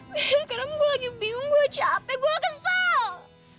biar kadang gua lagi bingung gua capek gua kesel